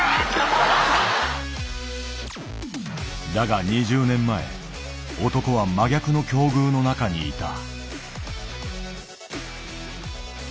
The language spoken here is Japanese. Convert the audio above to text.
だが２０年前男は真逆の境遇の中にいた。